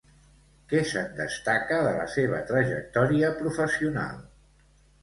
Què se'n destaca de la seva trajectòria professional?